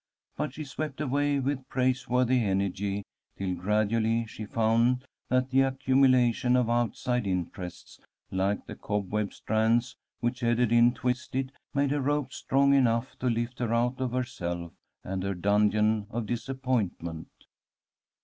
But she swept away with praiseworthy energy, till gradually she found that the accumulation of outside interests, like the cobweb strands which Ederyn twisted, made a rope strong enough to lift her out of herself and her dungeon of disappointment.